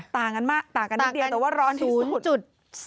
ต่างกันนิดเดียวแต่ว่าร้อนที่สุด๐๒